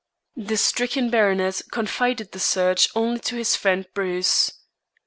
The stricken baronet confided the search only to his friend Bruce.